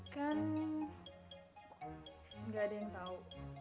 kan gak ada yang tau